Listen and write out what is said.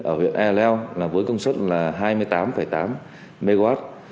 ở huyện eleo với công suất là hai mươi tám tám mw